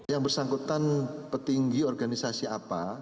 yang bersangkutan petinggi organisasi apa